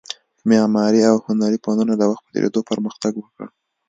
معماري او هنري فنونو د وخت په تېرېدو پرمختګ وکړ